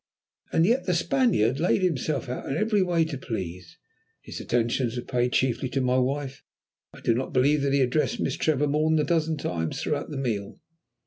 And yet the Spaniard laid himself out in every way to please. His attentions were paid chiefly to my wife, I do not believe that he addressed Miss Trevor more than a dozen times throughout the meal.